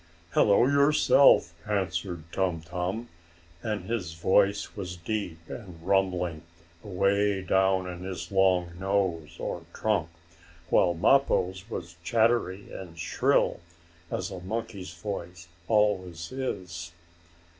"Hello yourself!" answered Tum Tum, and his voice was deep and rumbling, away down in his long nose or trunk, while Mappo's was chattery and shrill, as a monkey's voice always is.